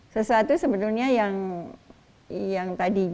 sesuatu sebenarnya yang tadinya itu dipakai